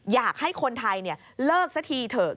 อยากให้คนไทยเลิกสักทีเถอะ